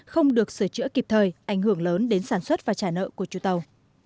không được sửa chữa kịp thời ảnh hưởng lớn đến sản xuất và trả nợ của chủ tàu